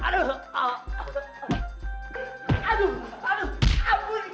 aduh ampun deh